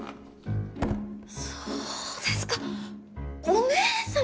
そうですかお姉様？